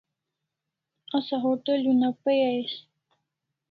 Asa hotel una pai ais